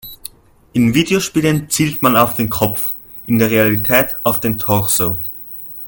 In Videospielen zielt man auf den Kopf, in der Realität auf den Torso.